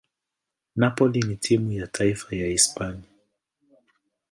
Napoli na timu ya taifa ya Hispania.